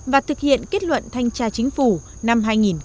và thực hiện kết luận thanh tra chính phủ năm hai nghìn sáu